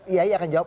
yai akan jawab